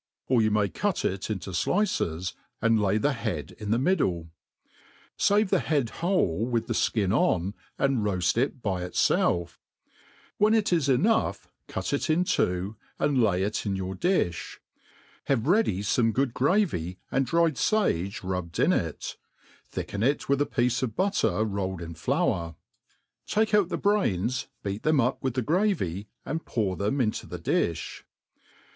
Or yoa may cut it into flices,' an^ lay the head in the middle. Save the head whole with the fl^in on, and xoaft it by itfelf ; when it is enough cut it in two^ «nd lay it in your dilk: haVe ready fome good gravy and dried* MADE PLAIN AND EASY. 65 fage rubbed in it, thicken it with a piece of butter rolled in flour, take out the brains, beat them up with the gravy, and pour them into the difli.